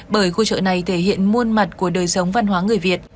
bởi khu chợ này thể hiện muôn mặt của đời sống văn hóa người việt